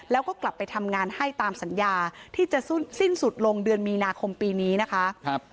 แล้วก็กลับไปทำงานให้ตามสัญญาที่จะสิ้นสุดลงเดือนมีนาคมปีนี้นะคะ